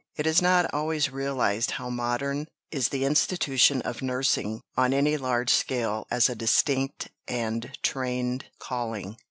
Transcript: It is not always realized how modern is the institution of nursing, on any large scale as a distinct and trained calling.